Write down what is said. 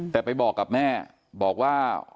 แต่ไปบอกกับแม่บอกว่า